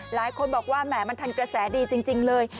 หลายคนบอกว่าแหมมันทันกระแสดีจริงเลย